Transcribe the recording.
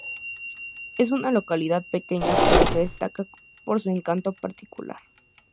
Es una localidad pequeña pero que destaca por su encanto particular.